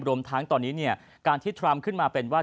รวมทั้งตอนนี้เนี่ยการที่ทรัมป์ขึ้นมาเป็นว่า